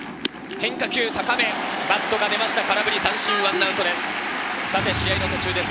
変化球高め、バットが出ました空振り三振、１アウトです。